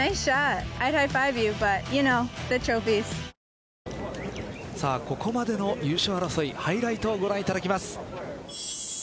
この後ここまでの優勝争いハイライトをご覧いただきます。